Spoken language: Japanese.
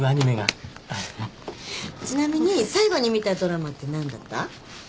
ちなみに最後に見たドラマって何だった？